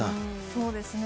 そうですね。